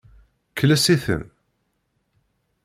Kles-iten.